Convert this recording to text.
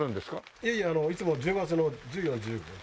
いやいやいつも１０月の１４１５。